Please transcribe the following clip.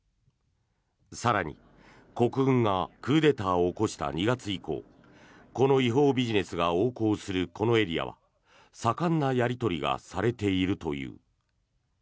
更に、国軍がクーデターを起こした２月以降この違法ビジネスが横行するこのエリアは盛んなやり取りがされているという。